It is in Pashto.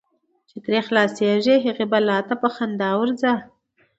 چی نه ترې خلاصیږې، هغی بلا ته په خندا ورځه .